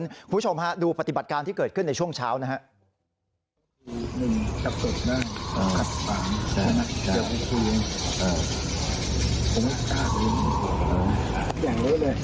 คุณผู้ชมฮะดูปฏิบัติการที่เกิดขึ้นในช่วงเช้านะครับ